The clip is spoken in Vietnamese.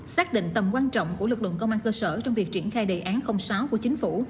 xác định tầm quan trọng của lực lượng công an cơ sở trong việc triển khai đề án sáu của chính phủ